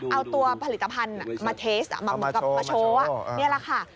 เอาตัวผลิตภัณฑ์มาเทสมาโชว์นี่แหละค่ะ